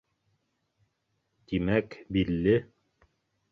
— Тимәк, Билле